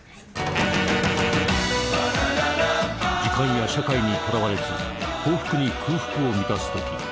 時間や社会にとらわれず幸福に空腹を満たすとき